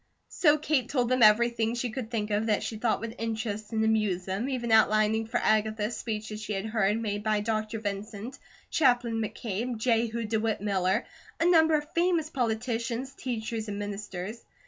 So Kate told them everything she could think of that she thought would interest and amuse them, even outlining for Agatha speeches she had heard made by Dr. Vincent, Chaplain McCabe, Jehu DeWitt Miller, a number of famous politicians, teachers, and ministers.